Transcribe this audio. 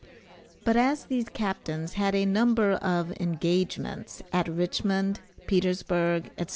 But as these captains had a number of engagements at Richmond, Petersburg, &c.